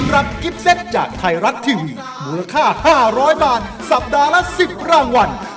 รับกิฟเซตจากไทยรัฐทีวีมูลค่า๕๐๐บาทสัปดาห์ละ๑๐รางวัล